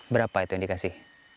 berapa itu yang dikasih